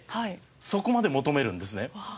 そこまで求めるんですね。